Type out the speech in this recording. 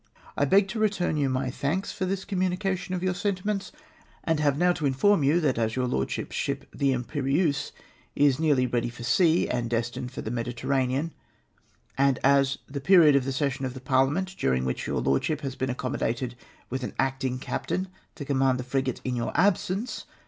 " I Ijeg to return you my thanks for this communication of your sentiments, and have now to inform you that as your Lordship's ship, the Imjjerieuse, is now nearly ready for sea, and destined for the Mediterranean, and as the period of the session of Parliament during ivhich your Lordship has been accom/modated tvith an acting captain to command the frigate in your absence